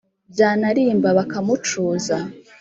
byanarimba bakamucuza